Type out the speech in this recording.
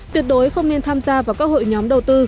tuyệt đối không nên tham gia vào các hội nhóm đầu tư